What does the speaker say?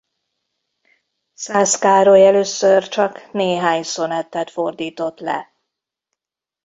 Szász Károly először csak néhány szonettet fordított le.